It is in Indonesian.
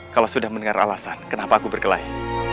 kalau sudah mendengar alasan kenapa aku berkelahi